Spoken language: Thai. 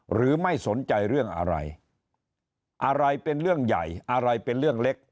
หรือไม่สนใจเรื่องอะไรอะไรเป็นเรื่องใหญ่อะไรเป็นเรื่องเล็ก